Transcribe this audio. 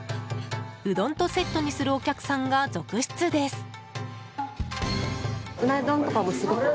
うどんとセットにするお客さんが続出です。